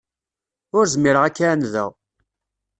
Ur zmireɣ ad k-εandeɣ.